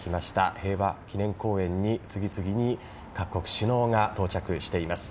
平和記念公園に次々に各国首脳が到着しています。